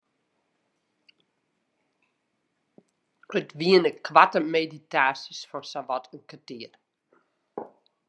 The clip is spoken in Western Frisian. It wiene koarte meditaasjes fan sawat in kertier.